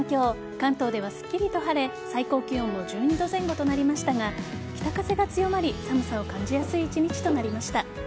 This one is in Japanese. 関東ではすっきりと晴れ最高気温も１２度前後となりましたが北風が強まり寒さを感じやすい一日となりました。